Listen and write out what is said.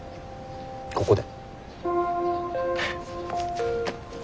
ここで。